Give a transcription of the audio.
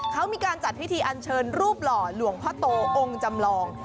เขามีการจัดพิธีอันเชิญรูปหล่อหลวงพ่อโตองค์จำลอง